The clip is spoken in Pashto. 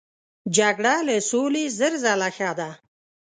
جګړه له سولې زر ځله ښه ده.